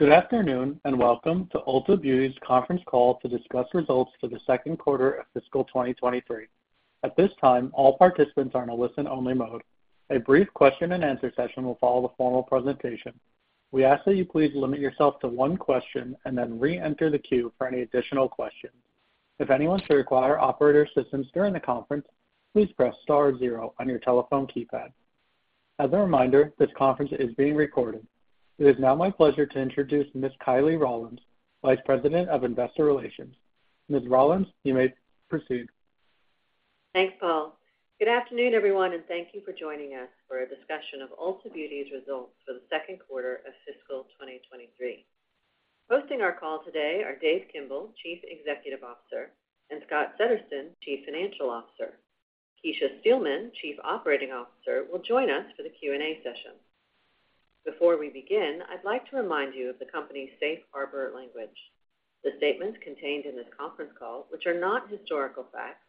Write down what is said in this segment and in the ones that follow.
Good afternoon, and welcome to Ulta Beauty's conference call to discuss results for the second quarter of fiscal 2023. At this time, all participants are in a listen-only mode. A brief question-and-answer session will follow the formal presentation. We ask that you please limit yourself to one question, and then reenter the queue for any additional questions. If anyone should require operator assistance during the conference, please press star zero on your telephone keypad. As a reminder, this conference is being recorded. It is now my pleasure to introduce Ms. Kiley Rawlins, Vice President of Investor Relations. Ms. Rawlins, you may proceed. Thanks, Paul. Good afternoon, everyone, and thank you for joining us for a discussion of Ulta Beauty's results for the second quarter of fiscal 2023. Hosting our call today are Dave Kimbell, Chief Executive Officer, and Scott Settersten, Chief Financial Officer. Kecia Steelman, Chief Operating Officer, will join us for the Q&A session. Before we begin, I'd like to remind you of the company's safe harbor language. The statements contained in this conference call, which are not historical facts,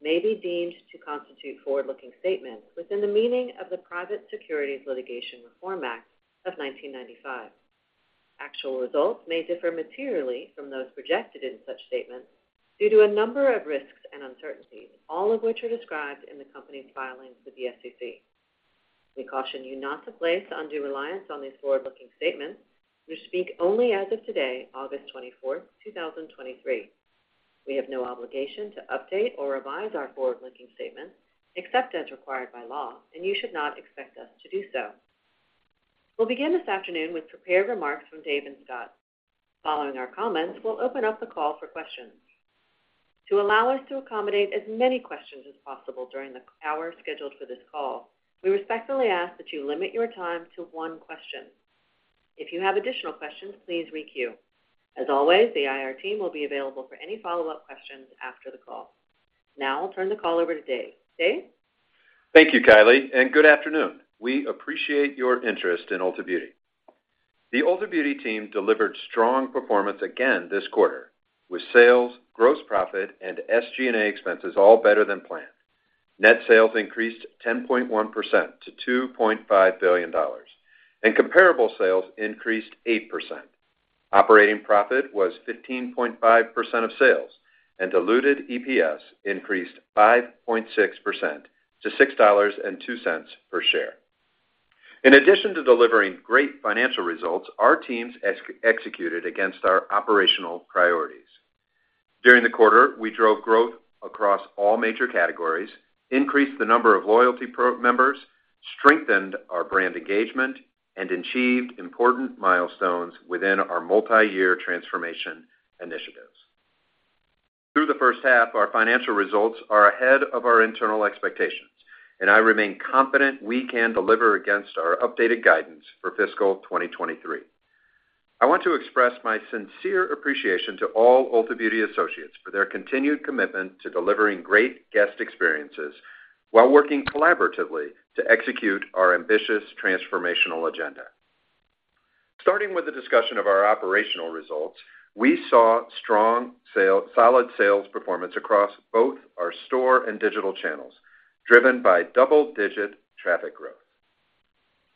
may be deemed to constitute forward-looking statements within the meaning of the Private Securities Litigation Reform Act of 1995. Actual results may differ materially from those projected in such statements due to a number of risks and uncertainties, all of which are described in the company's filings with the SEC. We caution you not to place undue reliance on these forward-looking statements, which speak only as of today, August 24th, 2023. We have no obligation to update or revise our forward-looking statements, except as required by law, and you should not expect us to do so. We'll begin this afternoon with prepared remarks from Dave and Scott. Following our comments, we'll open up the call for questions. To allow us to accommodate as many questions as possible during the hour scheduled for this call, we respectfully ask that you limit your time to one question. If you have additional questions, please re queue. As always, the IR team will be available for any follow-up questions after the call. Now I'll turn the call over to Dave. Dave? Thank you, Kiley, and good afternoon. We appreciate your interest in Ulta Beauty. The Ulta Beauty team delivered strong performance again this quarter, with sales, gross profit, and SG&A expenses all better than planned. Net sales increased 10.1% to $2.5 billion, and comparable sales increased 8%. Operating profit was 15.5% of sales, and diluted EPS increased 5.6% to $6.02 per share. In addition to delivering great financial results, our teams executed against our operational priorities. During the quarter, we drove growth across all major categories, increased the number of loyalty program members, strengthened our brand engagement, and achieved important milestones within our multi-year transformation initiatives. Through the first half, our financial results are ahead of our internal expectations, and I remain confident we can deliver against our updated guidance for fiscal 2023. I want to express my sincere appreciation to all Ulta Beauty associates for their continued commitment to delivering great guest experiences while working collaboratively to execute our ambitious transformational agenda. Starting with the discussion of our operational results, we saw solid sales performance across both our store and digital channels, driven by double-digit traffic growth.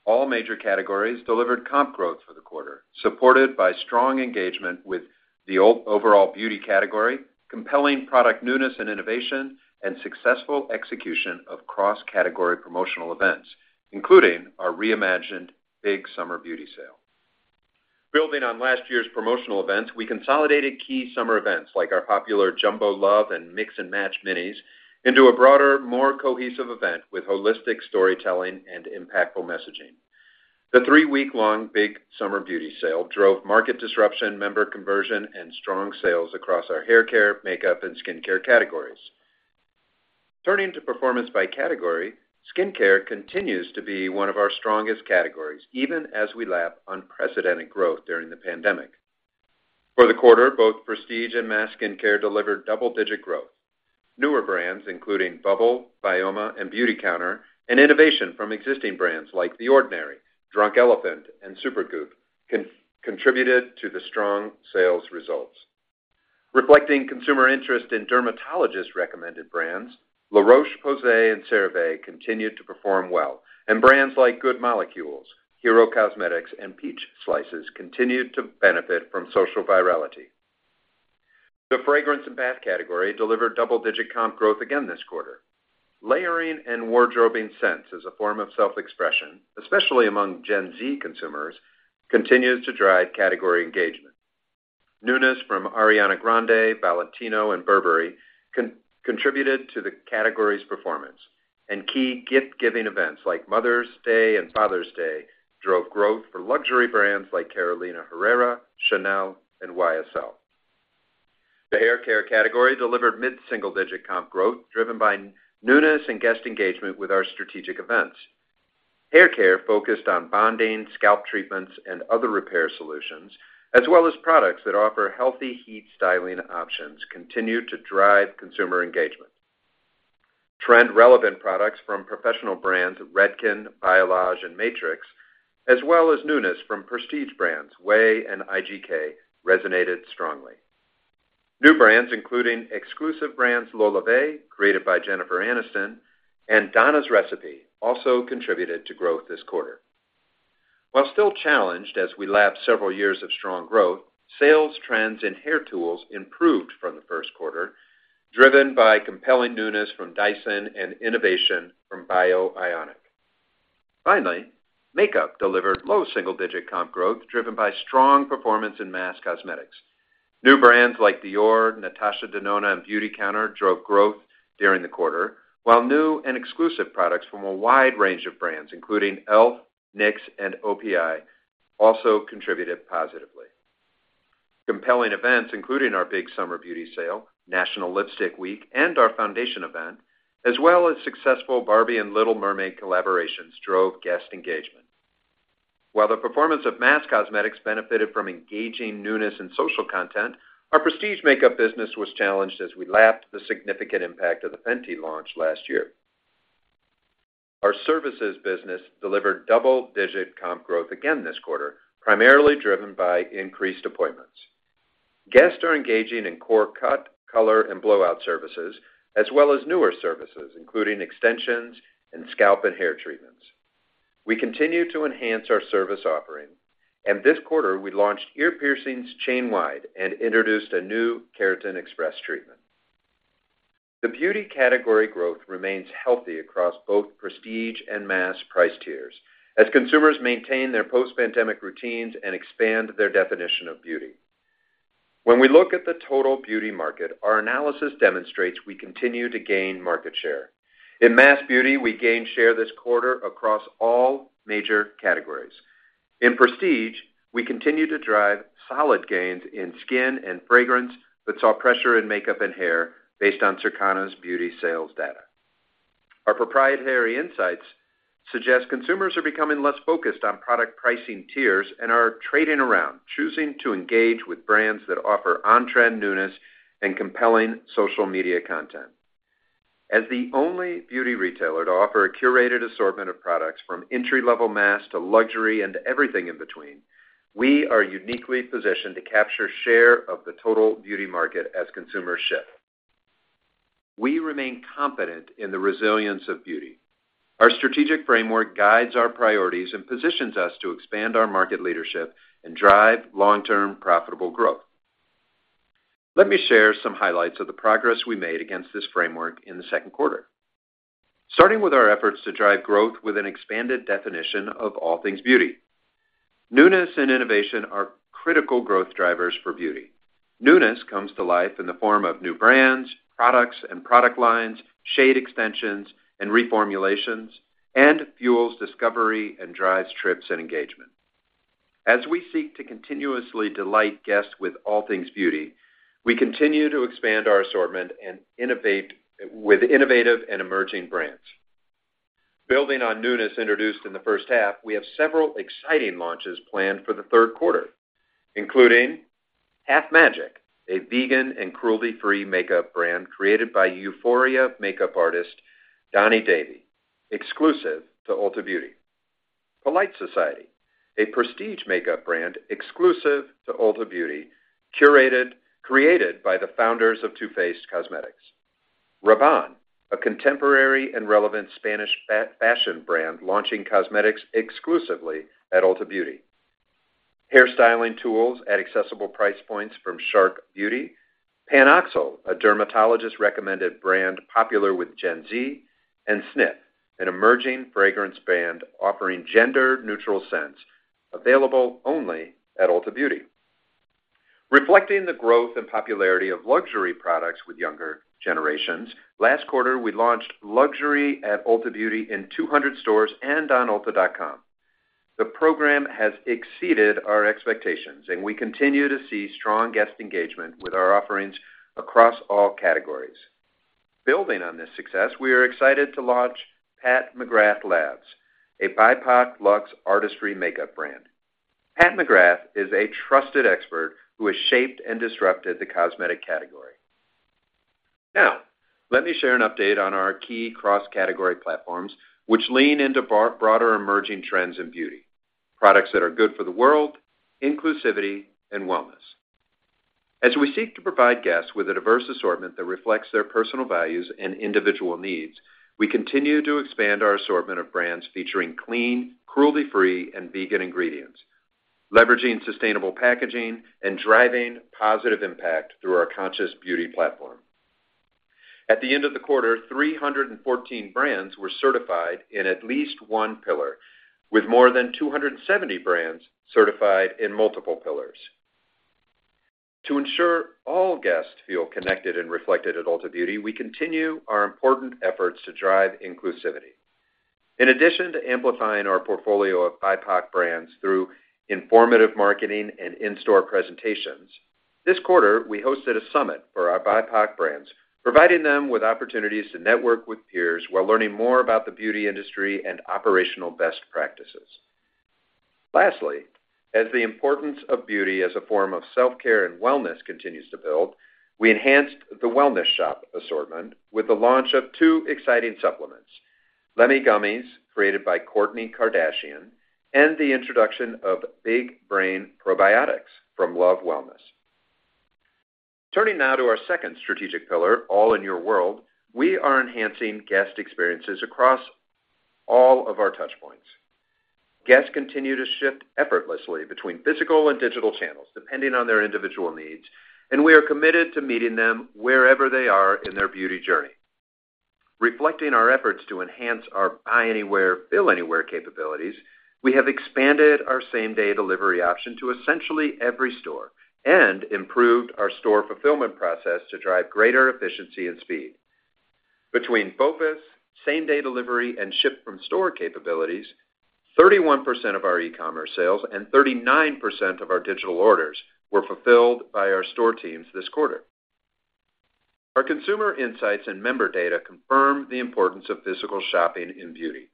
All major categories delivered comp growth for the quarter, supported by strong engagement with the overall beauty category, compelling product newness and innovation, and successful execution of cross-category promotional events, including our reimagined Big Summer Beauty Sale. Building on last year's promotional events, we consolidated key summer events, like our popular Jumbo Love and Mix & Match Minis, into a broader, more cohesive event with holistic storytelling and impactful messaging. The three-week-long Big Summer Beauty Sale drove market disruption, member conversion, and strong sales across our haircare, makeup, and skincare categories. Turning to performance by category, skincare continues to be one of our strongest categories, even as we lap unprecedented growth during the pandemic. For the quarter, both prestige and mass skincare delivered double-digit growth. Newer brands, including Bubble, Byoma, and Beautycounter, and innovation from existing brands like The Ordinary, Drunk Elephant, and Supergoop! contributed to the strong sales results. Reflecting consumer interest in dermatologist-recommended brands, La Roche-Posay and CeraVe continued to perform well, and brands like Good Molecules, Hero Cosmetics, and Peach Slices continued to benefit from social virality. The fragrance and bath category delivered double-digit comp growth again this quarter. Layering and wardrobing scents as a form of self-expression, especially among Gen Z consumers, continues to drive category engagement. Newness from Ariana Grande, Valentino, and Burberry contributed to the category's performance, and key gift-giving events like Mother's Day and Father's Day drove growth for luxury brands like Carolina Herrera, Chanel, and YSL. The haircare category delivered mid-single-digit comp growth, driven by newness and guest engagement with our strategic events. Haircare focused on bonding, scalp treatments, and other repair solutions, as well as products that offer healthy heat styling options, continued to drive consumer engagement. Trend-relevant products from professional brands Redken, Biolage, and Matrix, as well as newness from prestige brands Ouai and IGK, resonated strongly. New brands, including exclusive brands, LolaVie, created by Jennifer Aniston, and Donna's Recipe, also contributed to growth this quarter. While still challenged as we lap several years of strong growth, sales trends in hair tools improved from the first quarter, driven by compelling newness from Dyson and innovation from Bio Ionic. Finally, makeup delivered low single-digit comp growth, driven by strong performance in mass cosmetics. New brands like Dior, Natasha Denona, and Beautycounter drove growth during the quarter, while new and exclusive products from a wide range of brands, including e.l.f., NYX, and OPI, also contributed positively. Compelling events including our Big Summer Beauty Sale, National Lipstick Week, and our foundation event, as well as successful Barbie and Little Mermaid collaborations, drove guest engagement. While the performance of mass cosmetics benefited from engaging newness and social content, our prestige makeup business was challenged as we lapped the significant impact of the Fenty launch last year. Our services business delivered double-digit comp growth again this quarter, primarily driven by increased appointments. Guests are engaging in core cut, color, and blowout services, as well as newer services, including extensions and scalp and hair treatments. We continue to enhance our service offering, and this quarter, we launched ear piercings chain-wide and introduced a new Keratin Express treatment. The beauty category growth remains healthy across both prestige and mass price tiers as consumers maintain their post-pandemic routines and expand their definition of beauty. When we look at the total beauty market, our analysis demonstrates we continue to gain market share. In mass beauty, we gained share this quarter across all major categories. In prestige, we continue to drive solid gains in skin and fragrance, but saw pressure in makeup and hair based on Circana's beauty sales data. Our proprietary insights suggest consumers are becoming less focused on product pricing tiers and are trading around, choosing to engage with brands that offer on-trend newness and compelling social media content. As the only beauty retailer to offer a curated assortment of products from entry-level mass to luxury and everything in between, we are uniquely positioned to capture share of the total beauty market as consumers shift. We remain confident in the resilience of beauty. Our strategic framework guides our priorities and positions us to expand our market leadership and drive long-term profitable growth. Let me share some highlights of the progress we made against this framework in the second quarter. Starting with our efforts to drive growth with an expanded definition of all things beauty. Newness and innovation are critical growth drivers for beauty. Newness comes to life in the form of new brands, products and product lines, shade extensions, and reformulations, and fuels discovery and drives trips and engagement. As we seek to continuously delight guests with all things beauty, we continue to expand our assortment and innovate with innovative and emerging brands. Building on newness introduced in the first half, we have several exciting launches planned for the third quarter, including Half Magic, a vegan and cruelty-free makeup brand created by Euphoria makeup artist Donni Davy, exclusive to Ulta Beauty. Polite Society, a prestige makeup brand exclusive to Ulta Beauty, created by the founders of Too Faced Cosmetics. Rabanne, a contemporary and relevant Spanish fashion brand launching cosmetics exclusively at Ulta Beauty. Hairstyling tools at accessible price points from Shark Beauty. PanOxyl, a dermatologist-recommended brand popular with Gen Z, and Snif, an emerging fragrance brand offering gender-neutral scents available only at Ulta Beauty. Reflecting the growth and popularity of luxury products with younger generations, last quarter, we launched Luxury at Ulta Beauty in 200 stores and on Ulta.com. The program has exceeded our expectations, and we continue to see strong guest engagement with our offerings across all categories. Building on this success, we are excited to launch Pat McGrath Labs, a BIPOC luxe artistry makeup brand. Pat McGrath is a trusted expert who has shaped and disrupted the cosmetic category. Now, let me share an update on our key cross-category platforms, which lean into our broader emerging trends in beauty: products that are good for the world, inclusivity, and wellness. As we seek to provide guests with a diverse assortment that reflects their personal values and individual needs, we continue to expand our assortment of brands featuring clean, cruelty-free, and vegan ingredients, leveraging sustainable packaging and driving positive impact through our Conscious Beauty platform. At the end of the quarter, 314 brands were certified in at least one pillar, with more than 270 brands certified in multiple pillars. To ensure all guests feel connected and reflected at Ulta Beauty, we continue our important efforts to drive inclusivity. In addition to amplifying our portfolio of BIPOC brands through informative marketing and in-store presentations, this quarter, we hosted a summit for our BIPOC brands, providing them with opportunities to network with peers while learning more about the beauty industry and operational best practices. Lastly, as the importance of beauty as a form of self-care and wellness continues to build, we enhanced the wellness shop assortment with the launch of two exciting supplements: Lemme Gummies, created by Kourtney Kardashian, and the introduction of Big Brain Probiotics from Love Wellness. Turning now to our second strategic pillar, all in your world, we are enhancing guest experiences across all of our touch points. Guests continue to shift effortlessly between physical and digital channels, depending on their individual needs, and we are committed to meeting them wherever they are in their beauty journey. Reflecting our efforts to enhance our buy anywhere, bill anywhere capabilities, we have expanded our same-day delivery option to essentially every store and improved our store fulfillment process to drive greater efficiency and speed. Between BOPIS, same-day delivery, and Ship from Store capabilities, 31% of our e-commerce sales and 39% of our digital orders were fulfilled by our store teams this quarter. Our consumer insights and member data confirm the importance of physical shopping in beauty.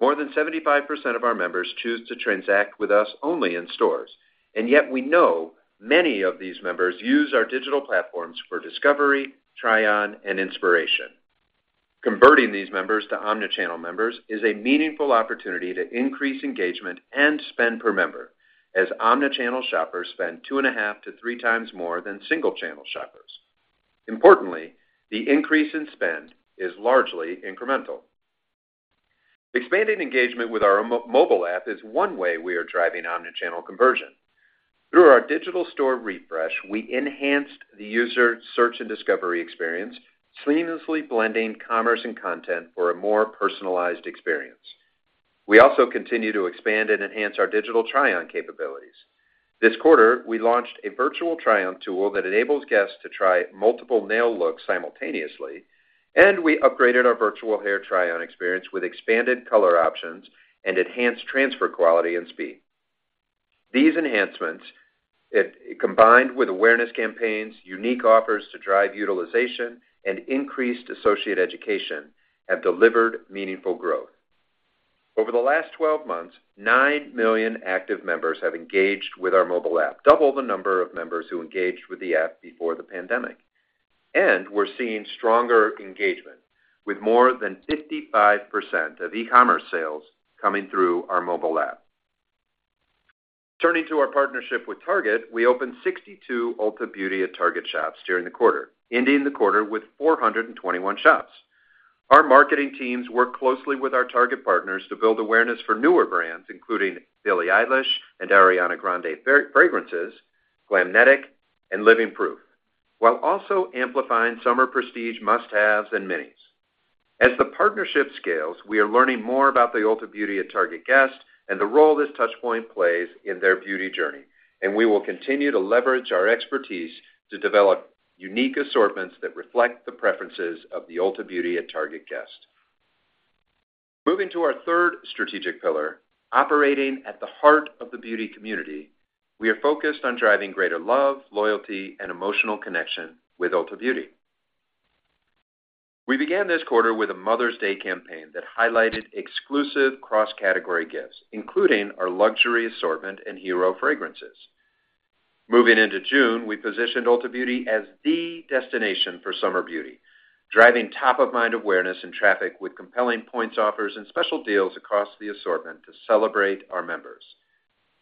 More than 75% of our members choose to transact with us only in stores, and yet we know many of these members use our digital platforms for discovery, try-on, and inspiration. Converting these members to Omni-channel members is a meaningful opportunity to increase engagement and spend per member, as Omni-channel shoppers spend 2.5-3 times more than single channel shoppers. Importantly, the increase in spend is largely incremental. Expanding engagement with our mobile app is one way we are driving Omni-channel conversion. Through our digital store refresh, we enhanced the user search and discovery experience, seamlessly blending commerce and content for a more personalized experience. We also continue to expand and enhance our digital tryon capabilities. This quarter, we launched a virtual tryon tool that enables guests to try multiple nail looks simultaneously, and we upgraded our virtual hair tryon experience with expanded color options and enhanced transfer quality and speed. These enhancements, combined with awareness campaigns, unique offers to drive utilization, and increased associate education, have delivered meaningful growth. Over the last 12 months, 9 million active members have engaged with our mobile app, double the number of members who engaged with the app before the pandemic. We're seeing stronger engagement, with more than 55% of e-commerce sales coming through our mobile app. Turning to our partnership with Target, we opened 62 Ulta Beauty at Target shops during the quarter, ending the quarter with 421 shops. Our marketing teams work closely with our Target partners to build awareness for newer brands, including Billie Eilish and Ariana Grande fragrances, Glamnetic, and Living Proof, while also amplifying summer prestige must-haves and minis. As the partnership scales, we are learning more about the Ulta Beauty at Target guest and the role this touch point plays in their beauty journey, and we will continue to leverage our expertise to develop unique assortments that reflect the preferences of the Ulta Beauty at Target guest. Moving to our third strategic pillar, operating at the heart of the beauty community, we are focused on driving greater love, loyalty, and emotional connection with Ulta Beauty. We began this quarter with a Mother's Day campaign that highlighted exclusive cross-category gifts, including our luxury assortment and hero fragrances. Moving into June, we positioned Ulta Beauty as the destination for summer beauty, driving top-of-mind awareness and traffic with compelling points, offers, and special deals across the assortment to celebrate our members.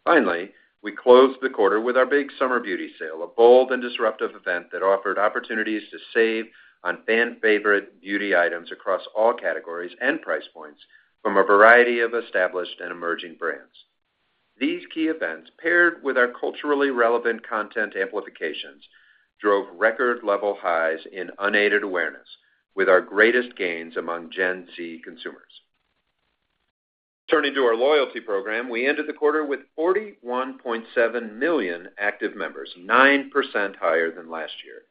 Finally, we closed the quarter with our Big Summer Beauty Sale, a bold and disruptive event that offered opportunities to save on fan favorite beauty items across all categories and price points from a variety of established and emerging brands. These key events, paired with our culturally relevant content amplifications, drove record level highs in unaided awareness with our greatest gains among Gen Z consumers. Turning to our loyalty program, we ended the quarter with 41.7 million active members, 9% higher than last year,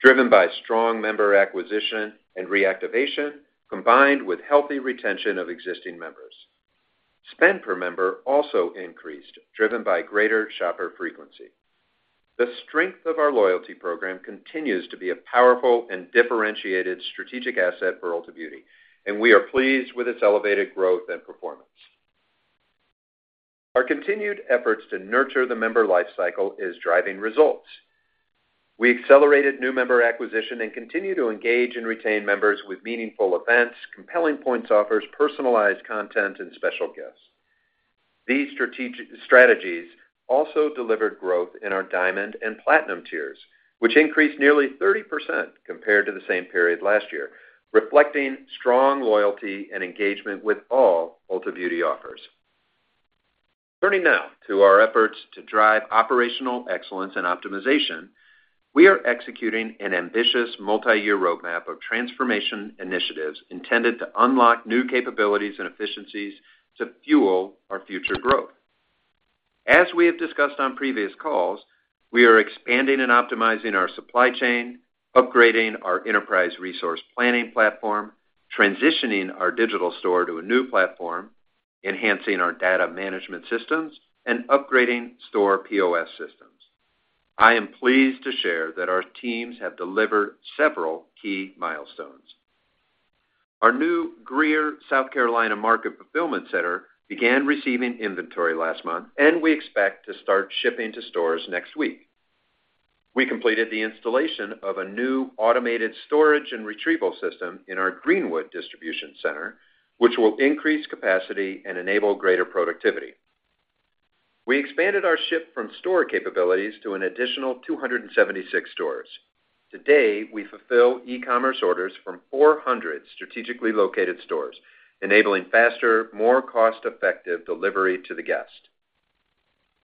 driven by strong member acquisition and reactivation, combined with healthy retention of existing members. Spend per member also increased, driven by greater shopper frequency. The strength of our loyalty program continues to be a powerful and differentiated strategic asset for Ulta Beauty, and we are pleased with its elevated growth and performance. Our continued efforts to nurture the member life cycle is driving results. We accelerated new member acquisition and continue to engage and retain members with meaningful events, compelling points offers, personalized content, and special guests. These strategies also delivered growth in our Diamond and Platinum tiers, which increased nearly 30% compared to the same period last year, reflecting strong loyalty and engagement with all Ulta Beauty offers. Turning now to our efforts to drive operational excellence and optimization, we are executing an ambitious multi-year roadmap of transformation initiatives intended to unlock new capabilities and efficiencies to fuel our future growth. As we have discussed on previous calls, we are expanding and optimizing our supply chain, upgrading our enterprise resource planning platform, transitioning our digital store to a new platform, enhancing our data management systems, and upgrading store POS systems. I am pleased to share that our teams have delivered several key milestones. Our new Greer, South Carolina, market fulfillment center began receiving inventory last month, and we expect to start shipping to stores next week. We completed the installation of a new automated storage and retrieval system in our Greenwood, Indiana, distribution center, which will increase capacity and enable greater productivity. We expanded our ship from store capabilities to an additional 276 stores. Today, we fulfill e-commerce orders from 400 strategically located stores, enabling faster, more cost-effective delivery to the guest.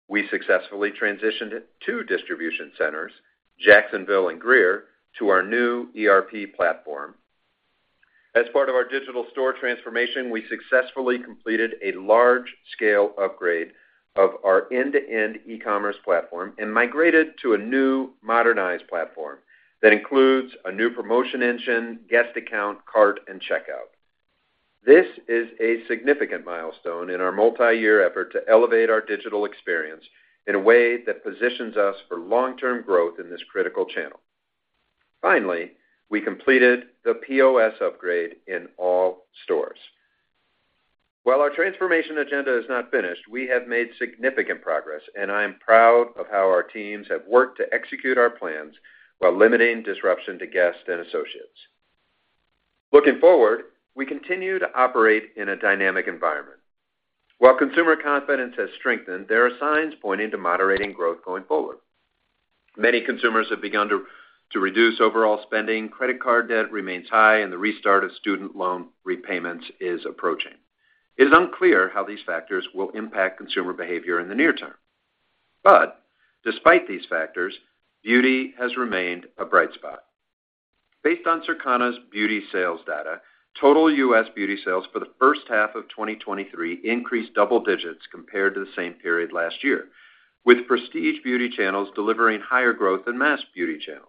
We successfully transitioned two distribution centers, Jacksonville and Greer, to our new ERP platform. As part of our digital store transformation, we successfully completed a large-scale upgrade of our end-to-end e-commerce platform and migrated to a new modernized platform that includes a new promotion engine, guest account, cart, and checkout. This is a significant milestone in our multi-year effort to elevate our digital experience in a way that positions us for long-term growth in this critical channel. Finally, we completed the POS upgrade in all stores. While our transformation agenda is not finished, we have made significant progress, and I am proud of how our teams have worked to execute our plans while limiting disruption to guests and associates. Looking forward, we continue to operate in a dynamic environment. While consumer confidence has strengthened, there are signs pointing to moderating growth going forward. Many consumers have begun to reduce overall spending, credit card debt remains high, and the restart of student loan repayments is approaching. It is unclear how these factors will impact consumer behavior in the near term. But despite these factors, beauty has remained a bright spot. Based on Circana's beauty sales data, total U.S. beauty sales for the first half of 2023 increased double digits compared to the same period last year, with prestige beauty channels delivering higher growth than mass beauty channels.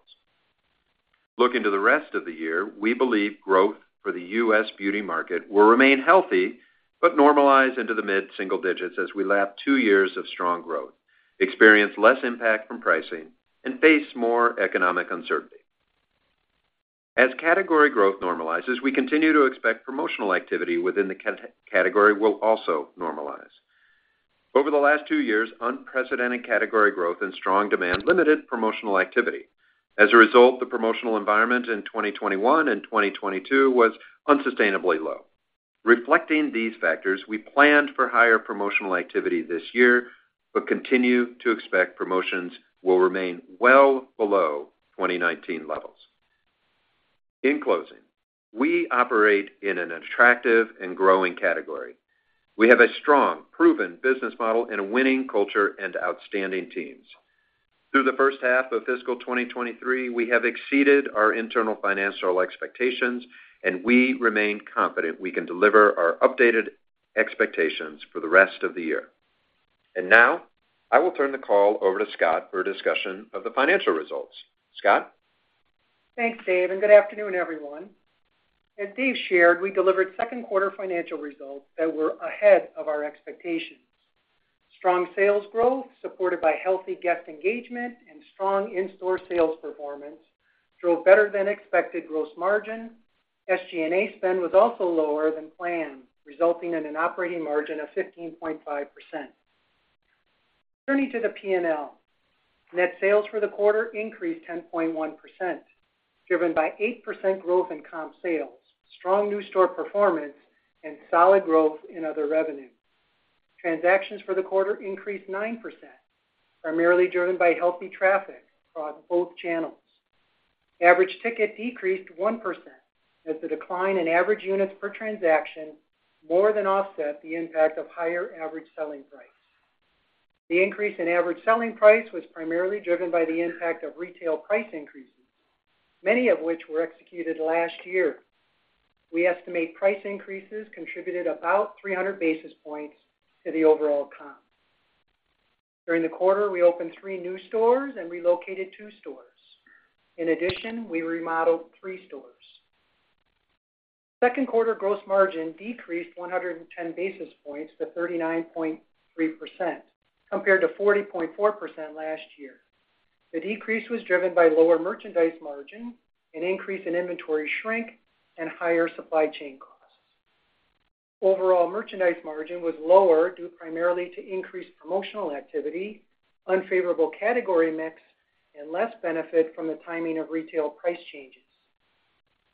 Looking to the rest of the year, we believe growth for the U.S. beauty market will remain healthy, but normalize into the mid-single digits as we lap 2 years of strong growth, experience less impact from pricing, and face more economic uncertainty. As category growth normalizes, we continue to expect promotional activity within the category will also normalize. Over the last two years, unprecedented category growth and strong demand limited promotional activity. As a result, the promotional environment in 2021 and 2022 was unsustainably low. Reflecting these factors, we planned for higher promotional activity this year, but continue to expect promotions will remain well below 2019 levels. In closing, we operate in an attractive and growing category. We have a strong, proven business model and a winning culture and outstanding teams. Through the first half of fiscal 2023, we have exceeded our internal financial expectations, and we remain confident we can deliver our updated expectations for the rest of the year. And now, I will turn the call over to Scott for a discussion of the financial results. Scott? Thanks, Dave, and good afternoon, everyone. As Dave shared, we delivered second quarter financial results that were ahead of our expectations. Strong sales growth, supported by healthy guest engagement and strong in-store sales performance, drove better-than-expected gross margin. SG&A spend was also lower than planned, resulting in an operating margin of 15.5%. Turning to the P&L. Net sales for the quarter increased 10.1%, driven by 8% growth in comp sales, strong new store performance, and solid growth in other revenue. Transactions for the quarter increased 9%, primarily driven by healthy traffic across both channels. Average ticket decreased 1%, as the decline in average units per transaction more than offset the impact of higher average selling price. The increase in average selling price was primarily driven by the impact of retail price increases, many of which were executed last year. We estimate price increases contributed about 300 basis points to the overall comp. During the quarter, we opened 3 new stores and relocated 2 stores. In addition, we remodeled 3 stores. Second quarter gross margin decreased 110 basis points to 39.3%, compared to 40.4% last year. The decrease was driven by lower merchandise margin, an increase in inventory shrink, and higher supply chain costs. Overall, merchandise margin was lower, due primarily to increased promotional activity, unfavorable category mix, and less benefit from the timing of retail price changes.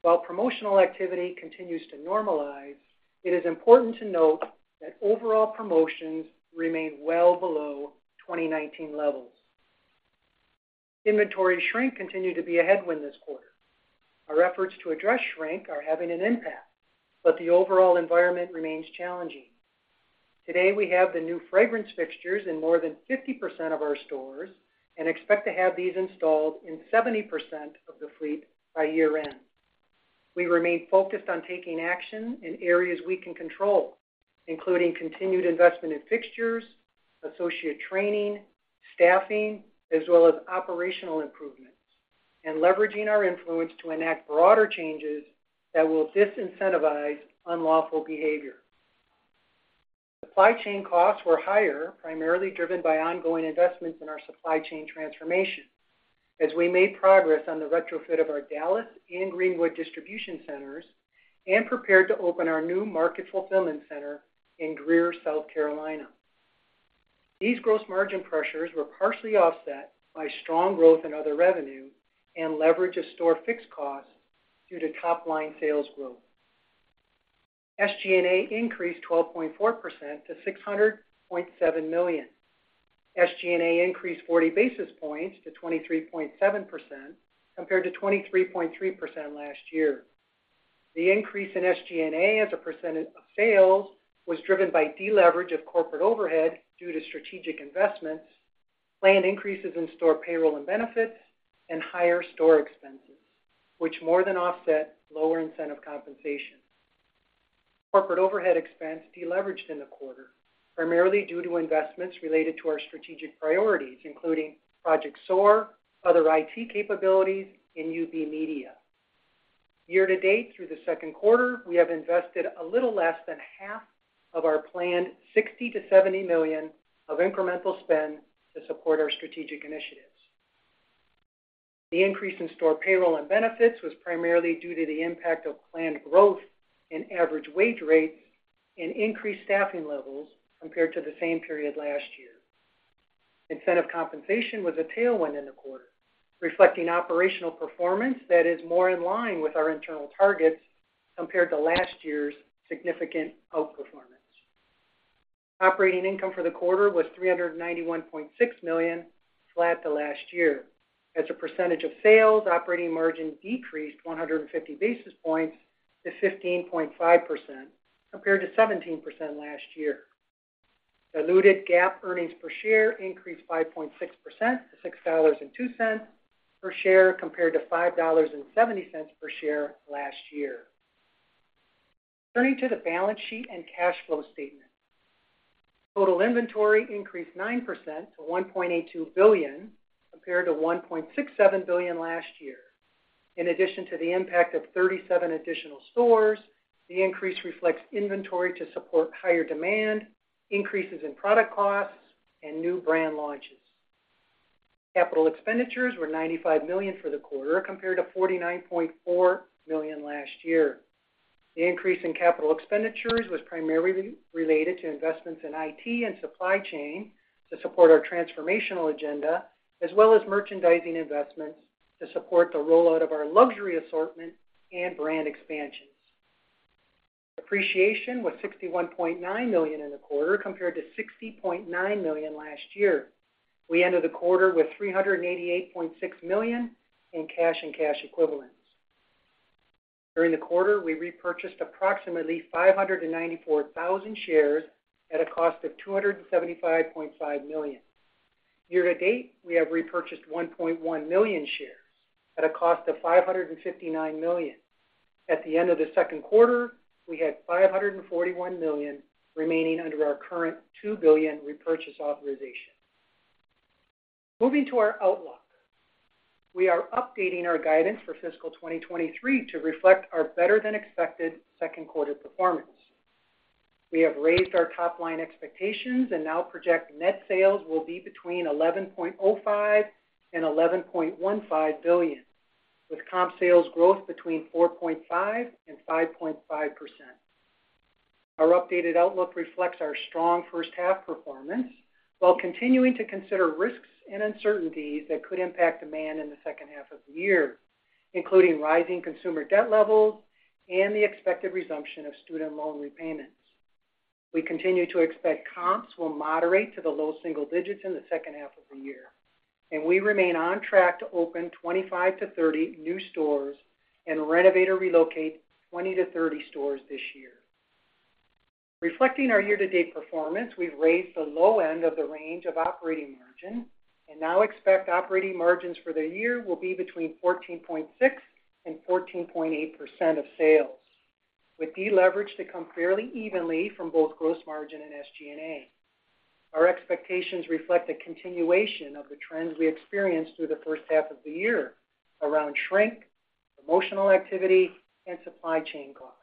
While promotional activity continues to normalize, it is important to note that overall promotions remain well below 2019 levels. Inventory shrink continued to be a headwind this quarter. Our efforts to address shrink are having an impact, but the overall environment remains challenging. Today, we have the new fragrance fixtures in more than 50% of our stores and expect to have these installed in 70% of the fleet by year-end. We remain focused on taking action in areas we can control, including continued investment in fixtures, associate training, staffing, as well as operational improvements, and leveraging our influence to enact broader changes that will disincentivize unlawful behavior. Supply chain costs were higher, primarily driven by ongoing investments in our supply chain transformation. As we made progress on the retrofit of our Dallas and Greenwood distribution centers and prepared to open our new market fulfillment center in Greer, South Carolina. These gross margin pressures were partially offset by strong growth in other revenue and leverage of store fixed costs due to top-line sales growth. SG&A increased 12.4% to $600.7 million. SG&A increased 40 basis points to 23.7%, compared to 23.3% last year. The increase in SG&A as a percentage of sales was driven by deleverage of corporate overhead due to strategic investments, planned increases in store payroll and benefits, and higher store expenses, which more than offset lower incentive compensation. Corporate overhead expense deleveraged in the quarter, primarily due to investments related to our strategic priorities, including Project SOAR, other IT capabilities, and UB Media. Year-to-date, through the second quarter, we have invested a little less than half of our planned $60 million-$70 million of incremental spend to support our strategic initiatives. The increase in store payroll and benefits was primarily due to the impact of planned growth in average wage rates and increased staffing levels compared to the same period last year. Incentive compensation was a tailwind in the quarter, reflecting operational performance that is more in line with our internal targets compared to last year's significant outperformance. Operating income for the quarter was $391.6 million, flat to last year. As a percentage of sales, operating margin decreased 150 basis points to 15.5%, compared to 17% last year. Diluted GAAP earnings per share increased 5.6% to $6.02 per share, compared to $5.70 per share last year. Turning to the balance sheet and cash flow statement. Total inventory increased 9% to $1.82 billion, compared to $1.67 billion last year. In addition to the impact of 37 additional stores, the increase reflects inventory to support higher demand, increases in product costs, and new brand launches. Capital expenditures were $95 million for the quarter, compared to $49.4 million last year. The increase in capital expenditures was primarily related to investments in IT and supply chain to support our transformational agenda, as well as merchandising investments to support the rollout of our luxury assortment and brand expansions. Depreciation was $61.9 million in the quarter, compared to $60.9 million last year. We ended the quarter with $388.6 million in cash and cash equivalents. During the quarter, we repurchased approximately 594,000 shares at a cost of $275.5 million. Year to date, we have repurchased 1.1 million shares at a cost of $559 million. At the end of the second quarter, we had $541 million remaining under our current $2 billion repurchase authorization. Moving to our outlook. We are updating our guidance for fiscal 2023 to reflect our better-than-expected second quarter performance. We have raised our top-line expectations and now project net sales will be between $11.05 billion and $11.15 billion, with comp sales growth between 4.5% and 5.5%. Our updated outlook reflects our strong first half performance, while continuing to consider risks and uncertainties that could impact demand in the second half of the year, including rising consumer debt levels and the expected resumption of student loan repayments. We continue to expect comps will moderate to the low single digits in the second half of the year, and we remain on track to open 25-30 new stores and renovate or relocate 20-30 stores this year. Reflecting our year-to-date performance, we've raised the low end of the range of operating margin and now expect operating margins for the year will be between 14.6% and 14.8% of sales, with deleverage to come fairly evenly from both gross margin and SG&A. Our expectations reflect a continuation of the trends we experienced through the first half of the year around shrink, promotional activity, and supply chain costs,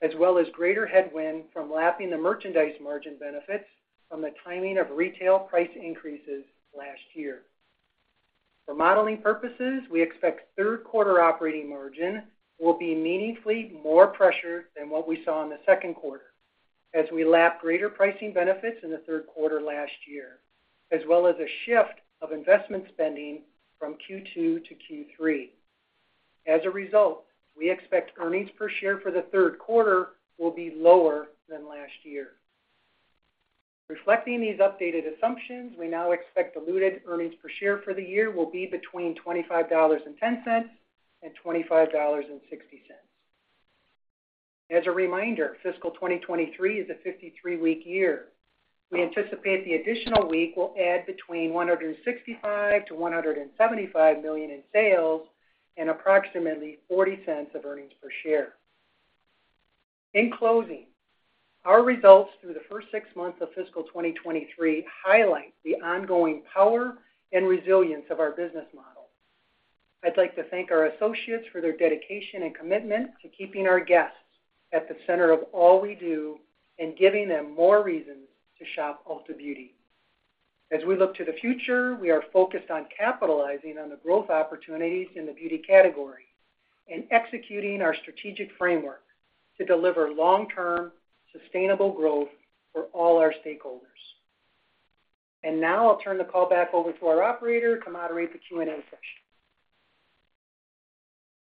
as well as greater headwind from lapping the merchandise margin benefits from the timing of retail price increases last year. For modeling purposes, we expect third quarter operating margin will be meaningfully more pressured than what we saw in the second quarter as we lap greater pricing benefits in the third quarter last year, as well as a shift of investment spending from Q2 to Q3. As a result, we expect earnings per share for the third quarter will be lower than last year. Reflecting these updated assumptions, we now expect diluted earnings per share for the year will be between $25.10 and $25.60. As a reminder, fiscal 2023 is a 53-week year. We anticipate the additional week will add between $165 million-$175 million in sales and approximately $0.40 of earnings per share. In closing, our results through the first six months of fiscal 2023 highlight the ongoing power and resilience of our business model. I'd like to thank our associates for their dedication and commitment to keeping our guests at the center of all we do and giving them more reasons to shop Ulta Beauty. ...As we look to the future, we are focused on capitalizing on the growth opportunities in the beauty category and executing our strategic framework to deliver long-term, sustainable growth for all our stakeholders. Now I'll turn the call back over to our operator to moderate the Q&A session.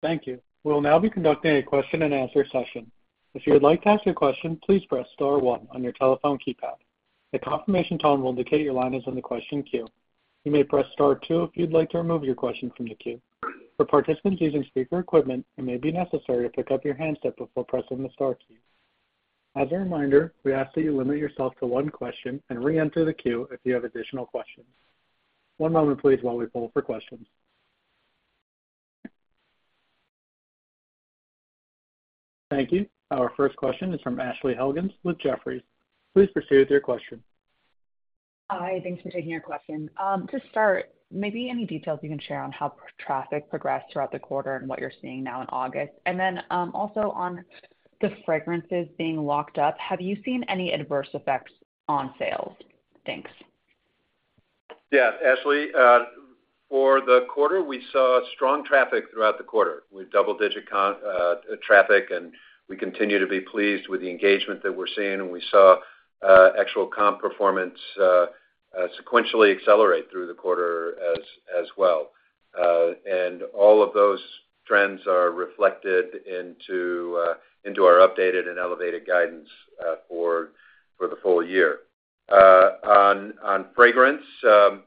Thank you. We'll now be conducting a question-and-answer session. If you would like to ask a question, please press star one on your telephone keypad. A confirmation tone will indicate your line is in the question queue. You may press star two if you'd like to remove your question from the queue. For participants using speaker equipment, it may be necessary to pick up your handset before pressing the star key. As a reminder, we ask that you limit yourself to one question and reenter the queue if you have additional questions. One moment please, while we poll for questions. Thank you. Our first question is from Ashley Helgans with Jefferies. Please proceed with your question. Hi, thanks for taking our question. To start, maybe any details you can share on how traffic progressed throughout the quarter and what you're seeing now in August? And then, also on the fragrances being locked up, have you seen any adverse effects on sales? Thanks. Yes, Ashley. For the quarter, we saw strong traffic throughout the quarter with double-digit count traffic, and we continue to be pleased with the engagement that we're seeing. We saw actual comp performance sequentially accelerate through the quarter as well. All of those trends are reflected into our updated and elevated guidance for the full year. On fragrance, I'll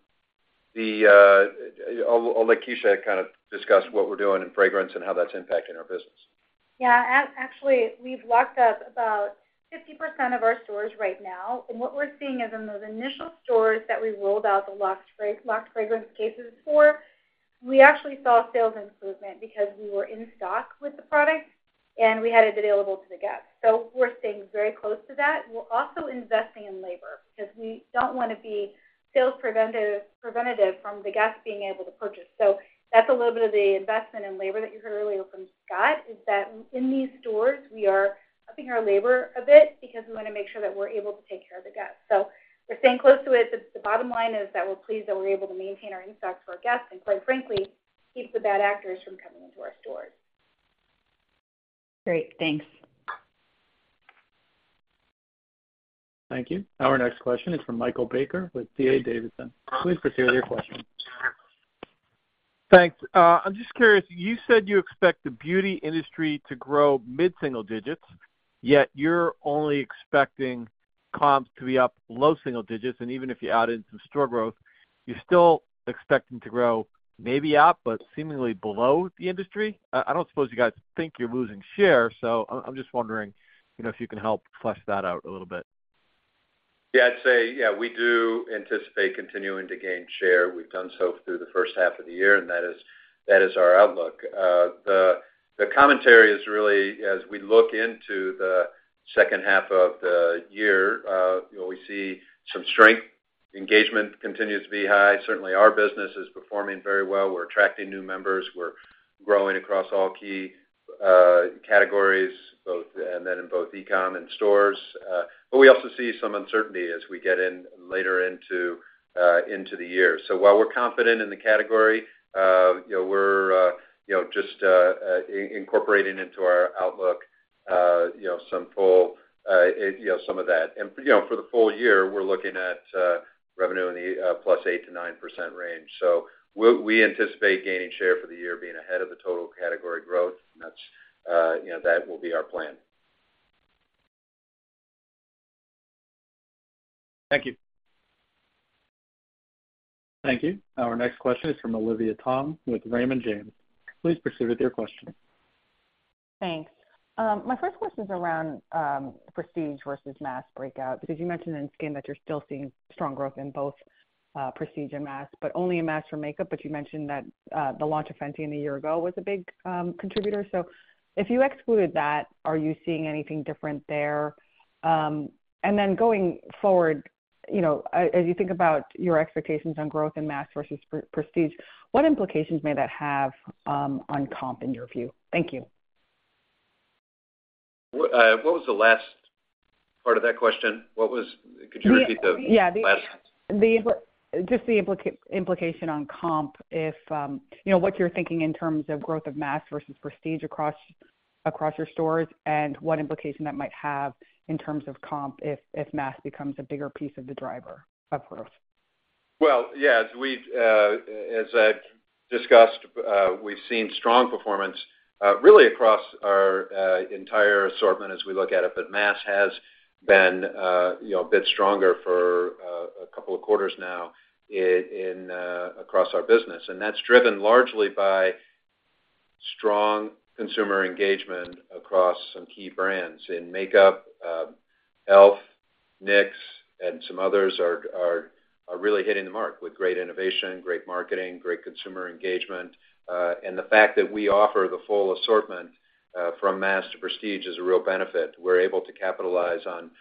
let Kecia kind of discuss what we're doing in fragrance and how that's impacting our business. Yeah, actually, we've locked up about 50% of our stores right now. What we're seeing is in those initial stores that we rolled out the locked fragrance, locked fragrance cases for, we actually saw sales improvement because we were in stock with the product, and we had it available to the guests. So we're staying very close to that. We're also investing in labor because we don't want to be sales preventative, preventative from the guests being able to purchase. So that's a little bit of the investment in labor that you heard earlier from Scott, is that in these stores, we are upping our labor a bit because we want to make sure that we're able to take care of the guests. We're staying close to it, but the bottom line is that we're pleased that we're able to maintain our in-stock for our guests, and quite frankly, keep the bad actors from coming into our stores. Great. Thanks. Thank you. Our next question is from Michael Baker with D.A. Davidson. Please proceed with your question. Thanks. I'm just curious, you said you expect the beauty industry to grow mid-single digits, yet you're only expecting comps to be up low single digits. And even if you add in some store growth, you're still expecting to grow maybe up, but seemingly below the industry. I don't suppose you guys think you're losing share, so I'm, I'm just wondering if you can help flesh that out a little bit. Yeah, I'd say, yeah, we do anticipate continuing to gain share. We've done so through the first half of the year, and that is our outlook. The commentary is really as we look into the second half of the year, we see some strength. Engagement continues to be high. Certainly, our business is performing very well. We're attracting new members. We're growing across all key categories, both in e-com and stores. But we also see some uncertainty as we get later into the year. So while we're confident in the category, you know, we're just incorporating into our outlook, you know, some of that. And, you know, for the full year, we're looking at revenue in the +8%-9% range. We anticipate gaining share for the year, being ahead of the total category growth, and that's, you know, that will be our plan. Thank you. Thank you. Our next question is from Olivia Tong with Raymond James. Please proceed with your question. Thanks. My first question is around, prestige versus mass breakout, because you mentioned in skin that you're still seeing strong growth in both, prestige and mass, but only in mass for makeup. But you mentioned that, the launch of Fenty a year ago was a big, contributor. So if you excluded that, are you seeing anything different there? And then going forward, you know, as you think about your expectations on growth in mass versus prestige, what implications may that have, on comp in your view? Thank you. What, what was the last part of that question? Could you repeat the- Yeah. -last sentence? Just the implication on comp if, you know, what you're thinking in terms of growth of mass versus prestige across your stores and what implication that might have in terms of comp if mass becomes a bigger piece of the driver of growth. Well, yeah, as we've, as I've discussed, we've seen strong performance, really across our entire assortment as we look at it. But mass has been, you know, a bit stronger for a couple of quarters now in across our business. And that's driven largely by strong consumer engagement across some key brands. In makeup, e.l.f., NYX, and some others are really hitting the mark with great innovation, great marketing, great consumer engagement. And the fact that we offer the full assortment from mass to prestige is a real benefit. We're able to capitalize on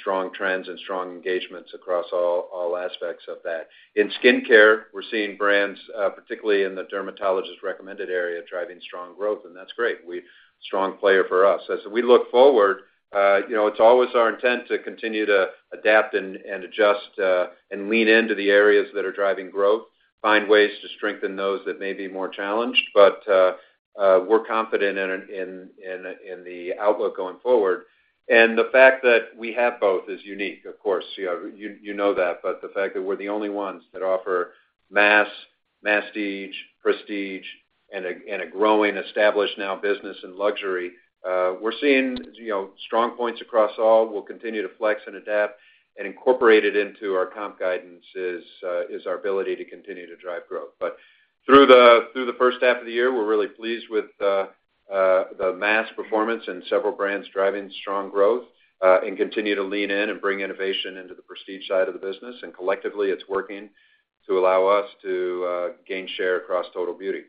strong trends and strong engagements across all aspects of that. In skincare, we're seeing brands, particularly in the dermatologist-recommended area, driving strong growth, and that's great. Strong player for us. As we look forward, you know, it's always our intent to continue to adapt and adjust, and lean into the areas that are driving growth, find ways to strengthen those that may be more challenged, but we're confident in the outlook going forward. And the fact that we have both is unique, of course, you know, you know that, but the fact that we're the only ones that offer mass, masstige, prestige, and a growing, established now business in luxury, we're seeing, you know, strong points across all. We'll continue to flex and adapt and incorporate it into our comp guidances, is our ability to continue to drive growth. But through the first half of the year, we're really pleased with the mass performance and several brands driving strong growth, and continue to lean in and bring innovation into the prestige side of the business, and collectively, it's working to allow us to gain share across total beauty.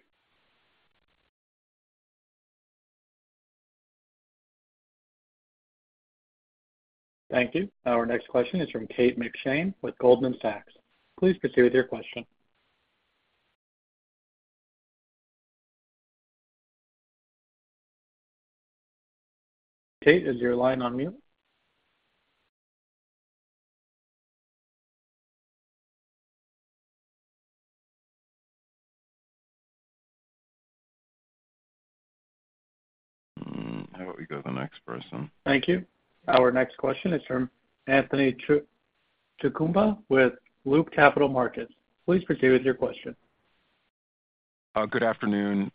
Thank you. Our next question is from Kate McShane with Goldman Sachs. Please proceed with your question. Kate, is your line on mute? How about we go to the next person? Thank you. Our next question is from Anthony Chukumba with Loop Capital Markets. Please proceed with your question. Good afternoon.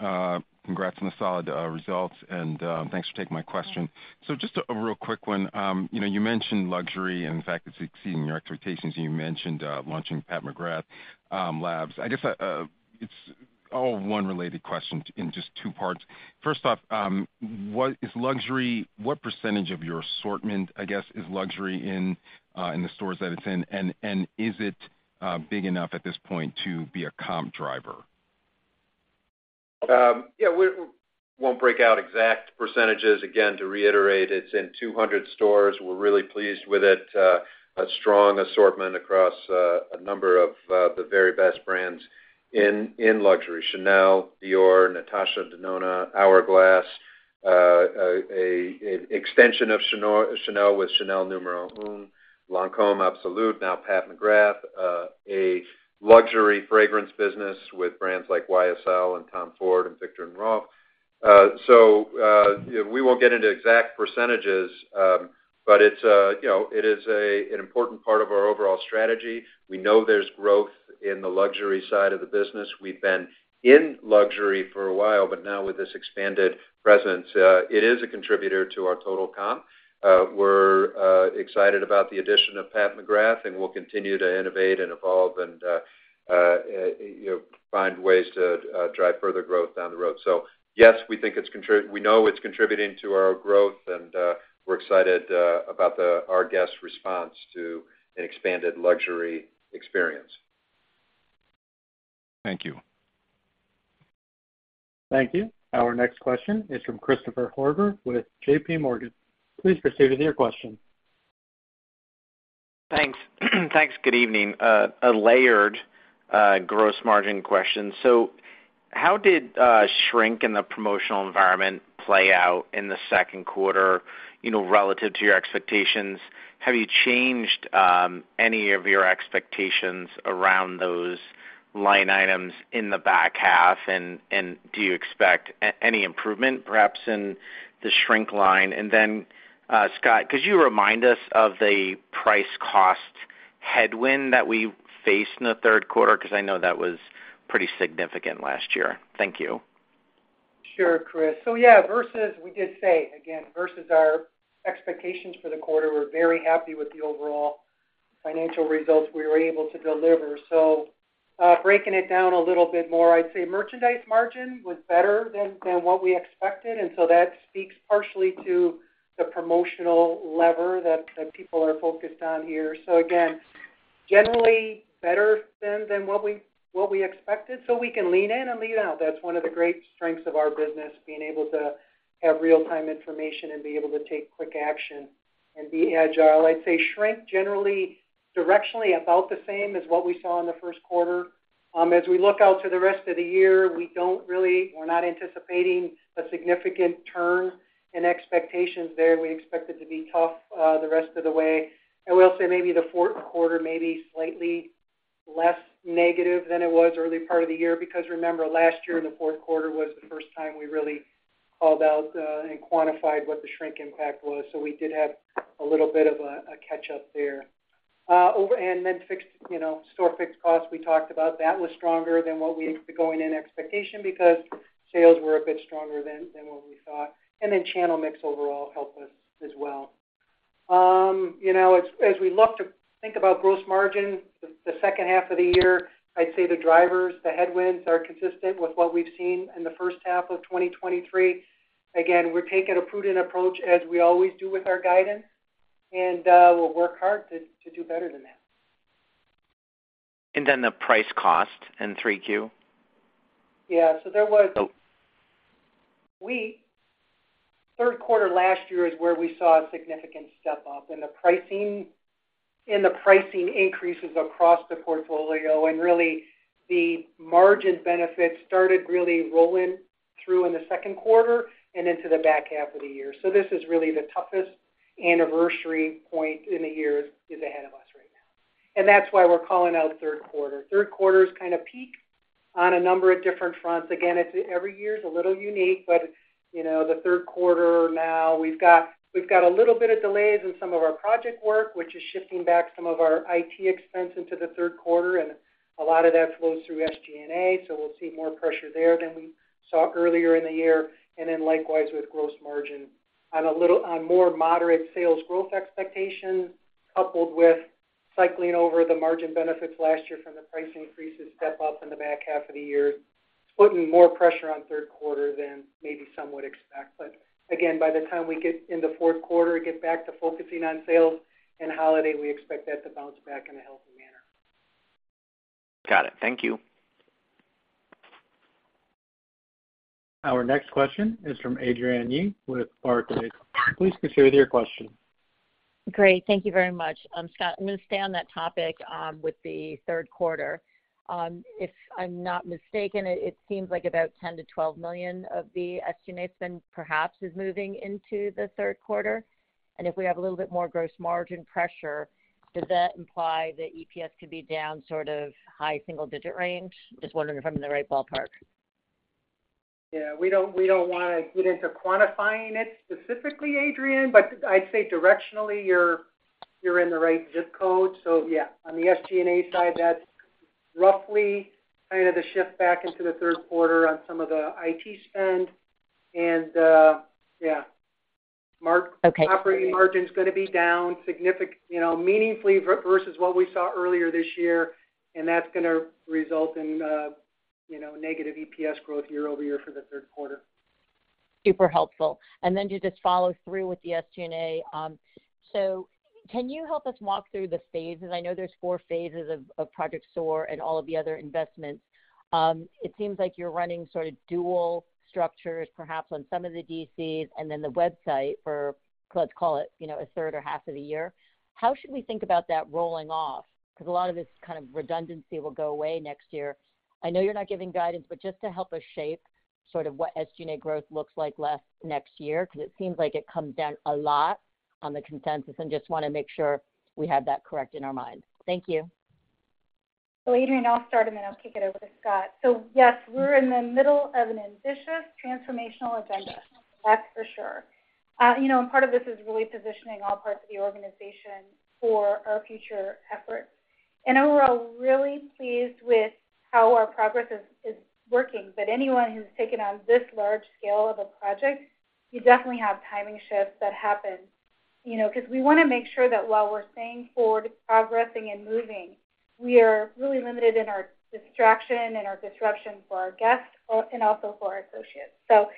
Congrats on the solid results, and thanks for taking my question. So just a real quick one. You know, you mentioned luxury, and in fact, it's exceeding your expectations, and you mentioned launching Pat McGrath Labs. I guess it's all one related question in just two parts. First off, what percentage of your assortment, I guess, is luxury in the stores that it's in? And is it big enough at this point to be a comp driver? Yeah, we won't break out exact percentages. Again, to reiterate, it's in 200 stores. We're really pleased with it. A strong assortment across a number of the very best brands in luxury, Chanel, Dior, Natasha Denona, Hourglass, an extension of Chanel with Chanel Numéro Un, Lancôme Absolue, now Pat McGrath, a luxury fragrance business with brands like YSL and Tom Ford and Viktor&Rolf. So, we won't get into exact percentages, but it's a, you know, it is an important part of our overall strategy. We know there's growth in the luxury side of the business. We've been in luxury for a while, but now with this expanded presence, it is a contributor to our total comp. We're excited about the addition of Pat McGrath, and we'll continue to innovate and evolve and, you know, find ways to drive further growth down the road. So yes, we know it's contributing to our growth, and we're excited about our guest response to an expanded luxury experience. Thank you. Thank you. Our next question is from Christopher Horvers with J.P. Morgan. Please proceed with your question. Thanks. Thanks. Good evening. A layered gross margin question. So how did shrink in the promotional environment play out in the second quarter, you know, relative to your expectations? Have you changed any of your expectations around those line items in the back half, and do you expect any improvement, perhaps, in the shrink line? And then, Scott, could you remind us of the price cost headwind that we faced in the third quarter? Because I know that was pretty significant last year. Thank you. Sure, Chris. So yeah, versus we did say, again, versus our expectations for the quarter, we're very happy with the overall financial results we were able to deliver. So, breaking it down a little bit more, I'd say merchandise margin was better than, than what we expected, and so that speaks partially to the promotional lever that, that people are focused on here. So again, generally better than, than what we, what we expected, so we can lean in and lean out. That's one of the great strengths of our business, being able to have real-time information and be able to take quick action and be agile. I'd say shrink generally, directionally, about the same as what we saw in the first quarter. As we look out to the rest of the year, we don't really-- we're not anticipating a significant turn in expectations there. We expect it to be tough, the rest of the way. I will say maybe the fourth quarter may be slightly less negative than it was early part of the year, because remember, last year, the fourth quarter was the first time we really called out, and quantified what the shrink impact was. So we did have a little bit of a catch-up there. And then fixed, you know, store fixed costs, we talked about. That was stronger than the going-in expectation because sales were a bit stronger than what we thought, and then channel mix overall helped us as well. You know, as we look to think about gross margin, the second half of the year, I'd say the drivers, the headwinds are consistent with what we've seen in the first half of 2023. Again, we're taking a prudent approach, as we always do with our guidance, and we'll work hard to do better than that.... Then the price cost in 3Q? Yeah, so there was- Oh. Third quarter last year is where we saw a significant step-up in the pricing, in the pricing increases across the portfolio, and really, the margin benefits started really rolling through in the second quarter and into the back half of the year. So this is really the toughest anniversary point in the years is ahead of us right now, and that's why we're calling out third quarter. Third quarter is kind of peak on a number of different fronts. Again, every year is a little unique, but, you know, the third quarter now, we've got, we've got a little bit of delays in some of our project work, which is shifting back some of our IT expense into the third quarter, and a lot of that flows through SG&A, so we'll see more pressure there than we saw earlier in the year. And then likewise with gross margin. On more moderate sales growth expectations, coupled with cycling over the margin benefits last year from the price increases step up in the back half of the year, it's putting more pressure on third quarter than maybe some would expect. But again, by the time we get in the fourth quarter and get back to focusing on sales and holiday, we expect that to bounce back in a healthy manner. Got it. Thank you. Our next question is from Adrienne Yih with Barclays. Please proceed with your question. Great. Thank you very much. Scott, I'm going to stay on that topic, with the third quarter. If I'm not mistaken, it seems like about $10 million-$12 million of the SG&A spend perhaps is moving into the third quarter. And if we have a little bit more gross margin pressure, does that imply that EPS could be down sort of high single digit range? Just wondering if I'm in the right ballpark. Yeah, we don't, we don't want to get into quantifying it specifically, Adrienne, but I'd say directionally, you're, you're in the right zip code. So yeah, on the SG&A side, that's roughly kind of the shift back into the third quarter on some of the IT spend. And yeah, marg- Okay. Operating margin is going to be down significant, you know, meaningfully versus what we saw earlier this year, and that's going to result in, you know, negative EPS growth year-over-year for the third quarter. Super helpful. And then just to follow through with the SG&A. So can you help us walk through the phases? I know there's four phases of Project SOAR and all of the other investments. It seems like you're running sort of dual structures, perhaps on some of the DCs and then the website for, let's call it, you know, a third or half of the year. How should we think about that rolling off? Because a lot of this kind of redundancy will go away next year. I know you're not giving guidance, but just to help us shape sort of what SG&A growth looks like less next year, because it seems like it comes down a lot on the consensus, and just want to make sure we have that correct in our mind. Thank you. So, Adrienne, I'll start, and then I'll kick it over to Scott. So yes, we're in the middle of an ambitious transformational agenda, that's for sure. You know, and part of this is really positioning all parts of the organization for our future efforts. And overall, really pleased with how our progress is working. But anyone who's taken on this large scale of a project, you definitely have timing shifts that happen. You know, because we want to make sure that while we're staying forward, progressing and moving, we are really limited in our distraction and our disruption for our guests, and also for our associates. So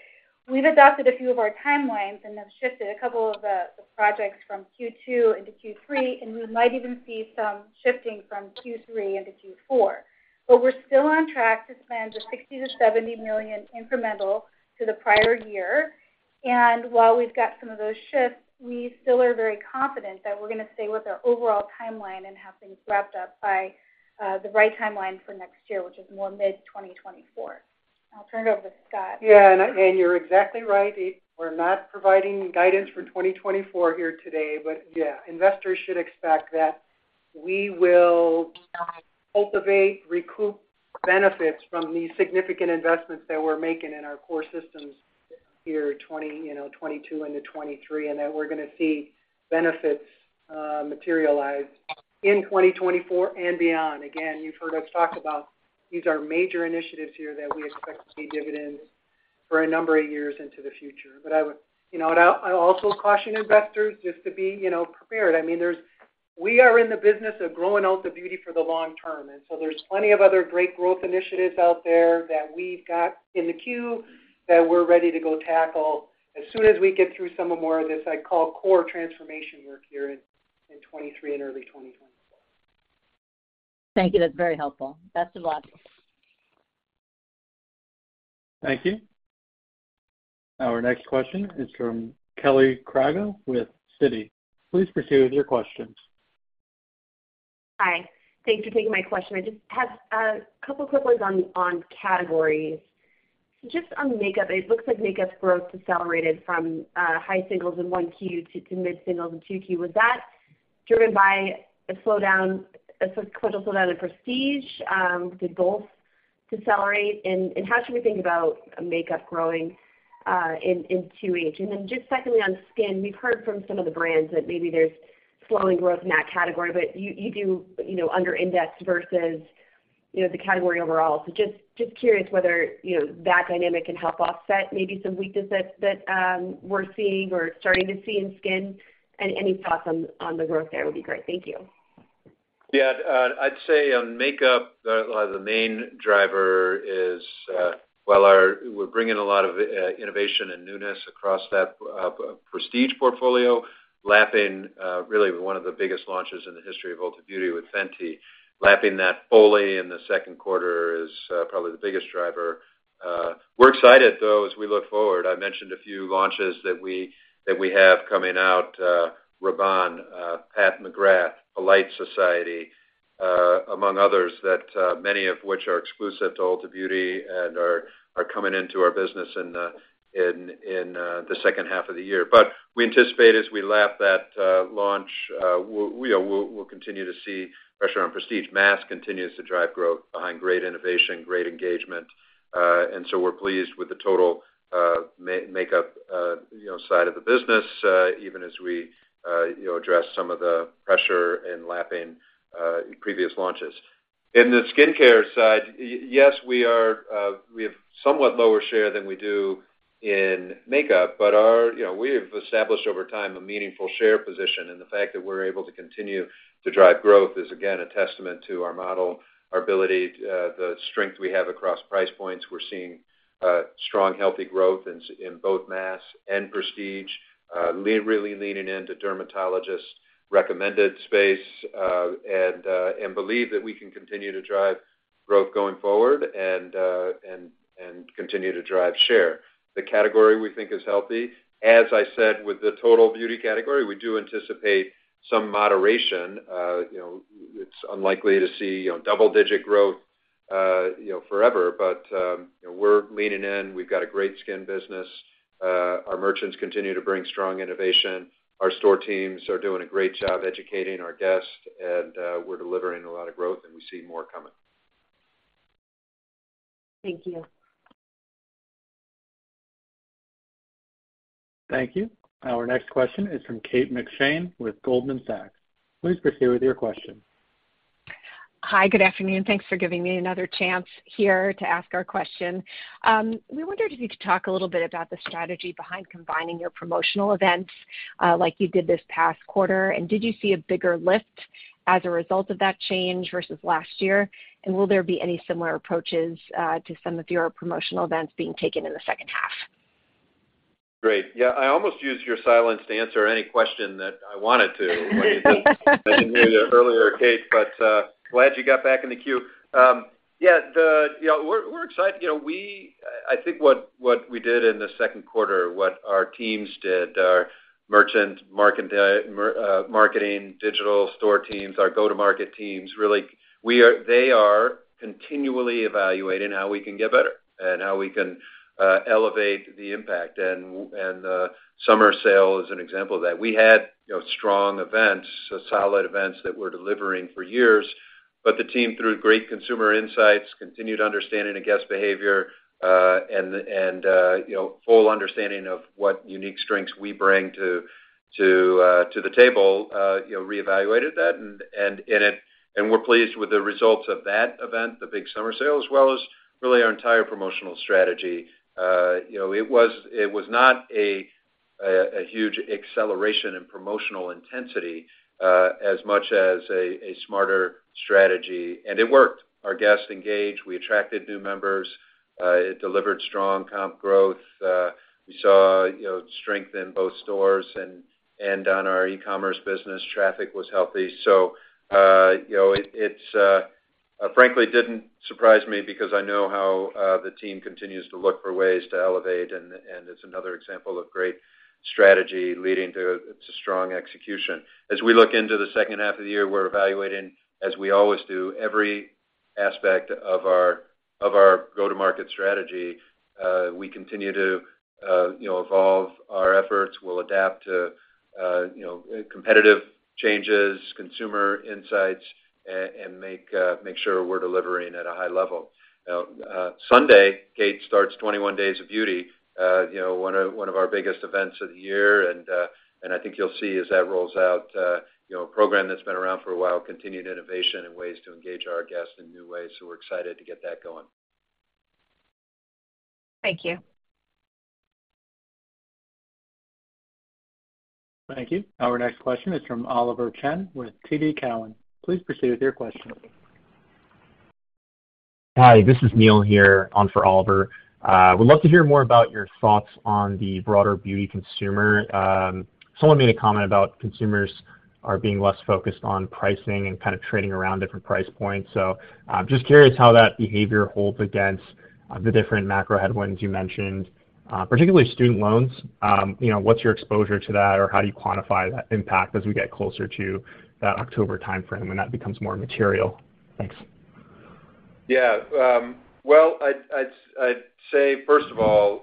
we've adopted a few of our timelines and have shifted a couple of the projects from Q2 into Q3, and we might even see some shifting from Q3 into Q4. But we're still on track to spend $60 million-$70 million incremental to the prior year. And while we've got some of those shifts, we still are very confident that we're going to stay with our overall timeline and have things wrapped up by the right timeline for next year, which is more mid-2024. I'll turn it over to Scott. Yeah, and you're exactly right. We're not providing guidance for 2024 here today, but yeah, investors should expect that we will cultivate, recoup benefits from the significant investments that we're making in our core systems here, you know, 2022 into 2023, and that we're going to see benefits, materialize in 2024 and beyond. Again, you've heard us talk about these are major initiatives here that we expect to see dividends for a number of years into the future. But I would, you know, and I, I also caution investors just to be, you know, prepared. I mean, there's—we are in the business of growing Ulta Beauty for the long term, and so there's plenty of other great growth initiatives out there that we've got in the queue that we're ready to go tackle as soon as we get through some more of this, I call, core transformation work here in 2023 and early 2024. Thank you. That's very helpful. Best of luck. Thank you. Our next question is from Kelly Crago with Citi. Please proceed with your questions. Hi. Thanks for taking my question. I just have a couple quick ones on, on categories. Just on makeup, it looks like makeup's growth decelerated from high singles in Q1 to mid-singles in Q2. Was that driven by a slowdown, a sequential slowdown in prestige? Did both decelerate, and how should we think about makeup growing in 2H? And then just secondly, on skin, we've heard from some of the brands that maybe there's slowing growth in that category, but you do, you know, under index versus the category overall. So just curious whether that dynamic can help offset maybe some weakness that we're seeing or starting to see in skin, and any thoughts on the growth there would be great. Thank you. Yeah. I'd say on makeup, the main driver is, well, we're bringing a lot of innovation and newness across that prestige portfolio, lapping really one of the biggest launches in the history of Ulta Beauty with Fenty. Lapping that fully in the second quarter is probably the biggest driver. We're excited, though, as we look forward. I mentioned a few launches that we have coming out, Rabanne, Pat McGrath, Polite Society, among others, that many of which are exclusive to Ulta Beauty and are coming into our business in the second half of the year. But we anticipate as we lap that launch, we'll continue to see pressure on prestige. Mass continues to drive growth behind great innovation, great engagement, and so we're pleased with the total makeup, you know, side of the business, even as we, you know, address some of the pressure in lapping previous launches. In the skincare side, yes, we are, we have somewhat lower share than we do in makeup, but, you know, we have established over time, a meaningful share position, and the fact that we're able to continue to drive growth is, again, a testament to our model, our ability, the strength we have across price points. We're seeing strong, healthy growth in both mass and prestige, really leaning into dermatologist-recommended space, and believe that we can continue to drive growth going forward and continue to drive share. The category, we think, is healthy. As I said, with the total beauty category, we do anticipate some moderation. You know, it's unlikely to see, you know, double-digit growth, you know, forever, but you know, we're leaning in. We've got a great skin business. Our merchants continue to bring strong innovation. Our store teams are doing a great job educating our guests, and we're delivering a lot of growth, and we see more coming. Thank you. Thank you. Our next question is from Kate McShane with Goldman Sachs. Please proceed with your question. Hi, good afternoon. Thanks for giving me another chance here to ask our question. We wondered if you could talk a little bit about the strategy behind combining your promotional events, like you did this past quarter, and did you see a bigger lift as a result of that change versus last year? And will there be any similar approaches to some of your promotional events being taken in the second half? Great. Yeah, I almost used your silence to answer any question that I wanted to, when you did earlier, Kate, but glad you got back in the queue. Yeah, the... You know, we're excited. You know, I think what we did in the second quarter, what our teams did, our merchant, market, marketing, digital store teams, our go-to-market teams, really, they are continually evaluating how we can get better and how we can elevate the impact, and summer sale is an example of that. We had, you know, strong events, solid events that we're delivering for years, but the team, through great consumer insights, continued understanding of guest behavior, and you know, full understanding of what unique strengths we bring to the table, you know, reevaluated that. And we're pleased with the results of that event, the big summer sale, as well as really our entire promotional strategy. You know, it was not a huge acceleration in promotional intensity, as much as a smarter strategy, and it worked. Our guests engaged. We attracted new members. It delivered strong comp growth. We saw, you know, strength in both stores and on our e-commerce business. Traffic was healthy. So, you know, it's frankly didn't surprise me because I know how the team continues to look for ways to elevate, and it's another example of great strategy leading to a strong execution. As we look into the second half of the year, we're evaluating, as we always do, every aspect of our go-to-market strategy. We continue to, you know, evolve our efforts. We'll adapt to, you know, competitive changes, consumer insights, and make sure we're delivering at a high level. Now, Sunday, Kate, starts 21 Days of Beauty, you know, one of our biggest events of the year, and I think you'll see as that rolls out, you know, a program that's been around for a while, continued innovation and ways to engage our guests in new ways, so we're excited to get that going. Thank you. Thank you. Our next question is from Oliver Chen with TD Cowen. Please proceed with your question. Hi, this is Neil here on for Oliver. Would love to hear more about your thoughts on the broader beauty consumer. Someone made a comment about consumers are being less focused on pricing and kind of trading around different price points. So, just curious how that behavior holds against, the different macro headwinds you mentioned, particularly student loans. You know, what's your exposure to that, or how do you quantify that impact as we get closer to that October timeframe, and that becomes more material? Thanks. Yeah, well, I'd say, first of all,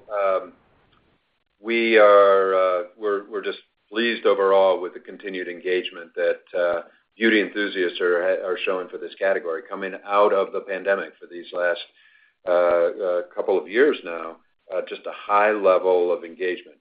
we are, we're just pleased overall with the continued engagement that beauty enthusiasts are showing for this category, coming out of the pandemic for these last couple of years now, just a high level of engagement.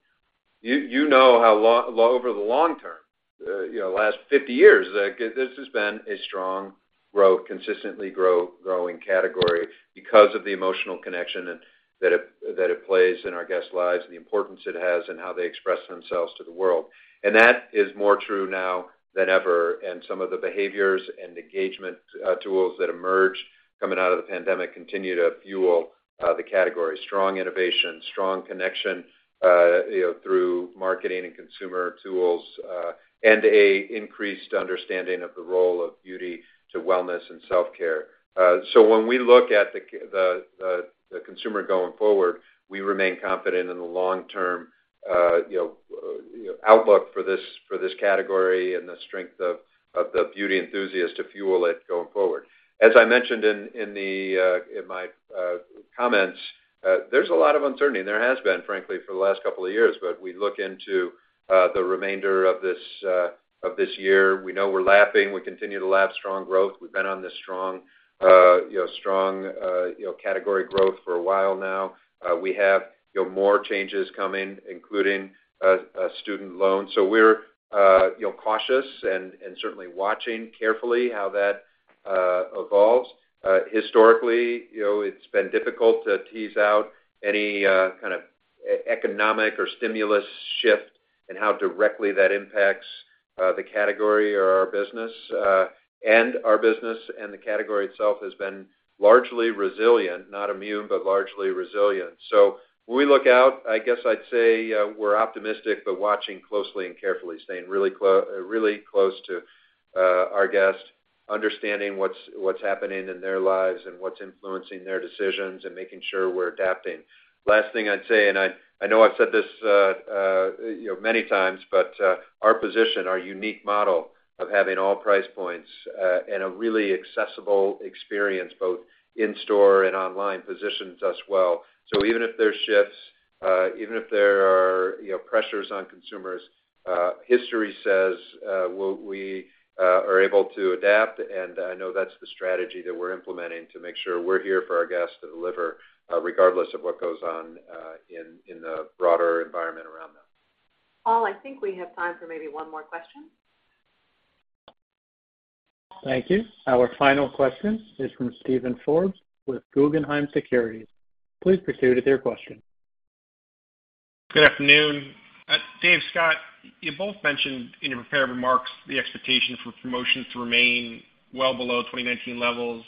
You know how, over the long term, you know, last 50 years, this has been a strong growth, consistently growing category because of the emotional connection and that it plays in our guests' lives and the importance it has in how they express themselves to the world. And that is more true now than ever, and some of the behaviors and engagement tools that emerged coming out of the pandemic continue to fuel the category. Strong innovation, strong connection, you know, through marketing and consumer tools, and an increased understanding of the role of beauty to wellness and self-care. So when we look at the consumer going forward, we remain confident in the long-term, you know, outlook for this category and the strength of the beauty enthusiast to fuel it going forward. As I mentioned in my comments, there's a lot of uncertainty, and there has been, frankly, for the last couple of years. But we look into the remainder of this year. We know we're lapping. We continue to lap strong growth. We've been on this strong, you know, category growth for a while now. We have, you know, more changes coming, including a student loan. So we're, you know, cautious and certainly watching carefully how that evolves. Historically, you know, it's been difficult to tease out any kind of economic or stimulus shift and how directly that impacts the category or our business. And our business and the category itself has been largely resilient, not immune, but largely resilient. So when we look out, I guess I'd say, we're optimistic, but watching closely and carefully, staying really close to our guests, understanding what's happening in their lives and what's influencing their decisions, and making sure we're adapting. Last thing I'd say, and I know I've said this, you know, many times, but our position, our unique model of having all price points, and a really accessible experience, both in-store and online, positions us well. So even if there's shifts, even if there are, you know, pressures on consumers, history says, we are able to adapt, and I know that's the strategy that we're implementing to make sure we're here for our guests to deliver, regardless of what goes on, in the broader environment around them. Paul, I think we have time for maybe one more question. Thank you. Our final question is from Steven Forbes with Guggenheim Securities. Please proceed with your question. Good afternoon. Dave, Scott, you both mentioned in your prepared remarks the expectation for promotions to remain well below 2019 levels.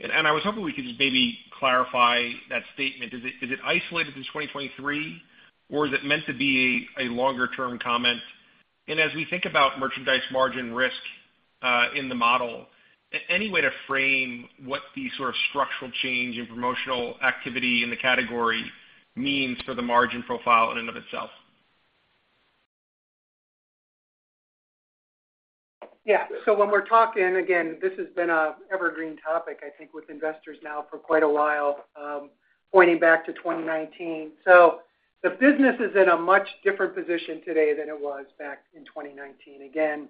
And I was hoping we could just maybe clarify that statement. Is it, is it isolated to 2023, or is it meant to be a, a longer-term comment? And as we think about merchandise margin risk, in the model, any way to frame what the sort of structural change in promotional activity in the category means for the margin profile in and of itself? Yeah. So when we're talking, again, this has been an evergreen topic, I think, with investors now for quite a while, pointing back to 2019. So the business is in a much different position today than it was back in 2019. Again,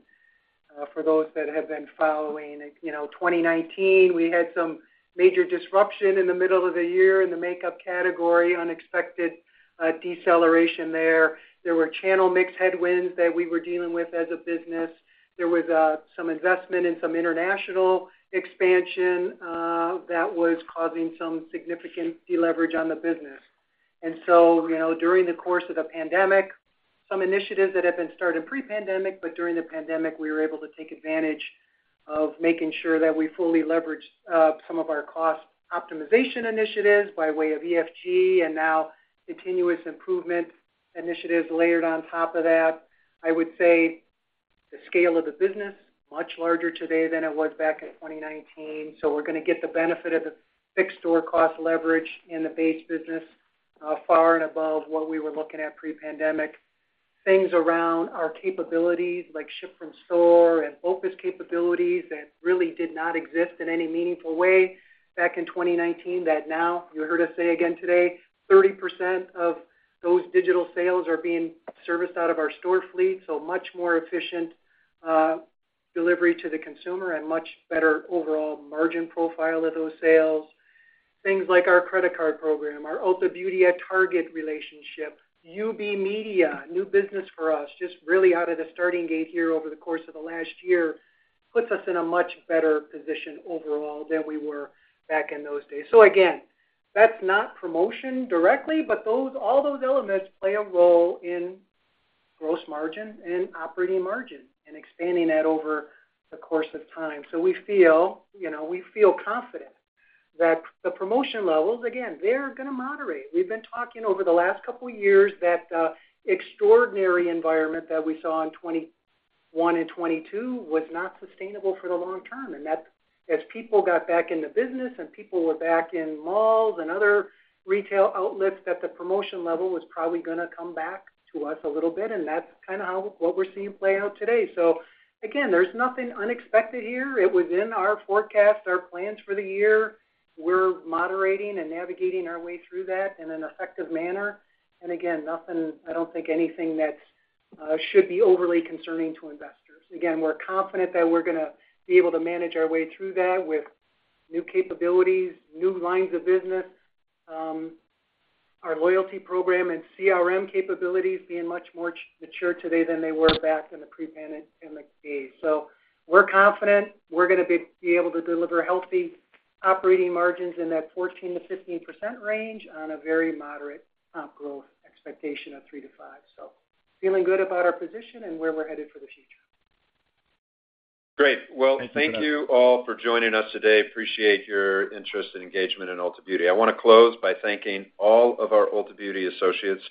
for those that have been following, you know, 2019, we had some major disruption in the middle of the year in the makeup category, unexpected, deceleration there. There were channel mix headwinds that we were dealing with as a business. There was, some investment in some international expansion, that was causing some significant deleverage on the business. And so, you know, during the course of the pandemic, some initiatives that had been started pre-pandemic, but during the pandemic, we were able to take advantage of making sure that we fully leveraged some of our cost optimization initiatives by way of EFG and now continuous improvement initiatives layered on top of that. I would say the scale of the business, much larger today than it was back in 2019, so we're gonna get the benefit of the fixed store cost leverage in the base business, far and above what we were looking at pre-pandemic. Things around our capabilities, like Ship from Store and Opus capabilities, that really did not exist in any meaningful way back in 2019, that now, you heard us say again today, 30% of those digital sales are being serviced out of our store fleet, so much more efficient, delivery to the consumer and much better overall margin profile of those sales. Things like our credit card program, our Ulta Beauty at Target relationship, UB Media, new business for us, just really out of the starting gate here over the course of the last year, puts us in a much better position overall than we were back in those days. So again, that's not promotion directly, but those, all those elements play a role in gross margin and operating margin and expanding that over the course of time. So we feel, you know, we feel confident that the promotion levels, again, they're gonna moderate. We've been talking over the last couple of years that extraordinary environment that we saw in 2021 and 2022 was not sustainable for the long term, and that as people got back into business and people were back in malls and other retail outlets, that the promotion level was probably gonna come back to us a little bit, and that's kind of how what we're seeing play out today. So again, there's nothing unexpected here. It was in our forecast, our plans for the year. We're moderating and navigating our way through that in an effective manner. And again, nothing. I don't think anything that should be overly concerning to investors. Again, we're confident that we're gonna be able to manage our way through that with new capabilities, new lines of business, our loyalty program and CRM capabilities being much more mature today than they were back in the pre-pandemic days. So we're confident we're gonna be able to deliver healthy operating margins in that 14%-15% range on a very moderate growth expectation of 3-5. So feeling good about our position and where we're headed for the future. Great. Well, thank you all for joining us today. Appreciate your interest and engagement in Ulta Beauty. I wanna close by thanking all of our Ulta Beauty associates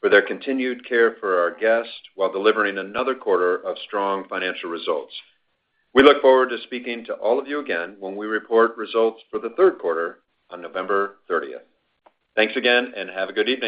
for their continued care for our guests, while delivering another quarter of strong financial results. We look forward to speaking to all of you again when we report results for the third quarter on November thirtieth. Thanks again, and have a good evening.